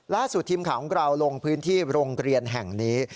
ล่าสุดทีมข่าวของเราลงพื้นที่โรงเรียนแห่งนี้